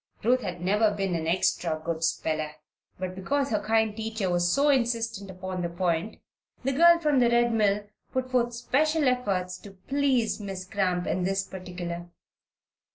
Ruth had never been an extra good speller, but because her kind teacher was so insistent upon the point, the girl from the Red Mill put forth special efforts to please Miss Cramp in this particular.